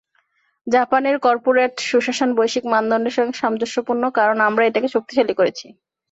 জাপানের করপোরেট সুশাসন বৈশ্বিক মানদণ্ডের সঙ্গে সামঞ্জস্যপূর্ণ, কারণ আমরা এটাকে শক্তিশালী করেছি।